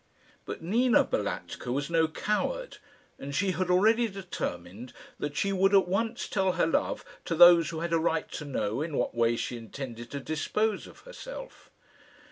But Nina Balatka was no coward, and she had already determined that she would at once tell her love to those who had a right to know in what way she intended to dispose of herself.